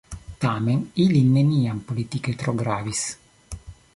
Tamen ili neniam politike tro gravis.